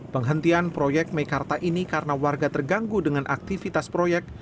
penghentian proyek mekarta ini karena warga terganggu dengan aktivitas proyek